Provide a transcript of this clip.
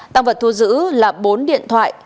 tăng vật thu giữ là bốn điện thoại